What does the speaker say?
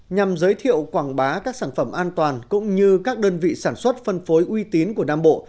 nhằm giới thiệu quảng bá các sản phẩm an toàn cũng như các đơn vị sản xuất phân phối uy tín của nam bộ